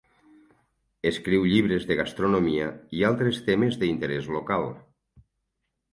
Escriu llibres de gastronomia i altres temes d'interès local.